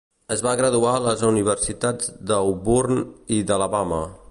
Es va graduar a les universitats d'Auburn i d'Alabama.